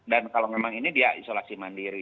dan kalau memang ini dia isolasi mandiri